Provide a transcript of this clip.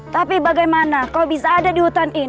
tapi bagaimana kau bisa ada di hutan ini